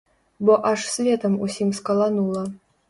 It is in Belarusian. Бо аж светам усім скаланула.